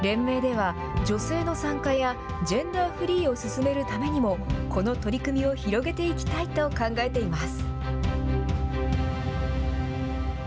連盟では女性の参加やジェンダーフリーを進めるためにもこの取り組みを広げていきたいと考えています。